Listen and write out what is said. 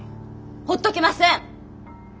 ほっとけません！